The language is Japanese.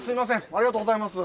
ありがとうございます。